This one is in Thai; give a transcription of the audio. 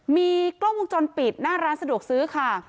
มีกล้องวงจรปิดหน้าร้านสะดวกซื้อค่ะ